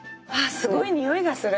すごいにおいがする！